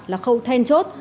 là khâu then chốt